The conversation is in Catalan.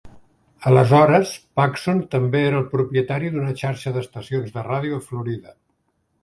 Aleshores, Paxson també era el propietari d'una xarxa d'estacions de ràdio a Florida.